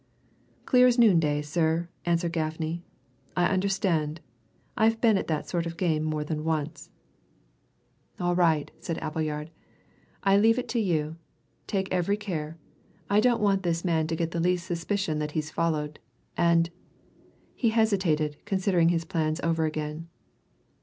"Clear as noonday, sir," answered Gaffney. "I understand I've been at that sort of game more than once." "All right," said Appleyard. "I leave it to you. Take every care I don't want this man to get the least suspicion that he's followed. And " He hesitated, considering his plans over again.